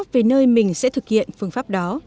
về nơi mình sẽ thực hiện phương pháp đó